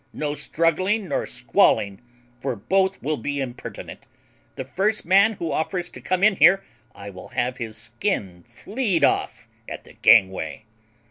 No struggling nor squalling, for both will be impertinent. The first man who offers to come in here, I will have his skin flea'd off at the gangway.'